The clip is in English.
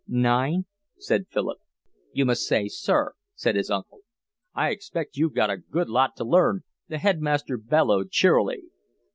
"Nine," said Philip. "You must say sir," said his uncle. "I expect you've got a good lot to learn," the headmaster bellowed cheerily.